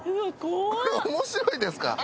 これ面白いですか？